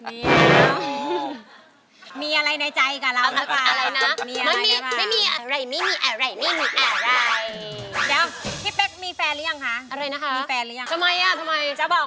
อื้อหมาก